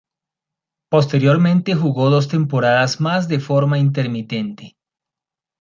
Posteriormente jugó dos temporadas más de forma intermitente.